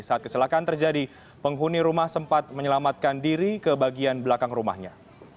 saat kecelakaan terjadi penghuni rumah sempat menyelamatkan diri ke bagian belakang rumahnya